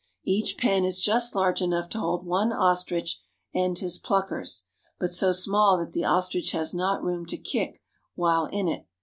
Each pen is just largt: enough to hold one ^^H ostrich and his pluckers; but so small that the ostrich has ^^H not room to kick while in it.